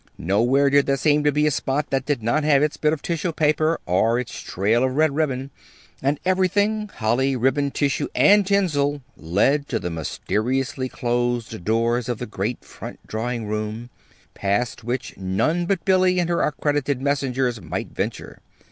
Nowhere did there seem to be a spot that did not have its bit of tissue paper or its trail of red ribbon. And everything holly, ribbon, tissue, and tinsel led to the mysteriously closed doors of the great front drawing room, past which none but Billy and her accredited messengers might venture.